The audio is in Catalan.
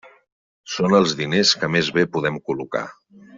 Són els diners que més bé podem col·locar.